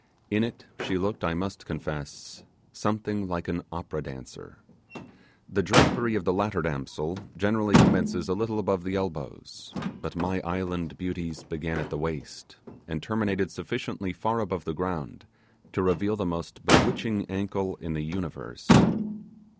In it she looked, I must confess, something like an opera dancer. The drapery of the latter damsel generally commences a little above the elbows, but my island beauty's began at the waist, and terminated sufficiently far above the ground to reveal the most bewitching ankle in the universe.